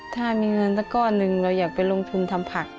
ถ้ามีเงินสักก้อนหนึ่งเราอยากไปลงทุนทำผัก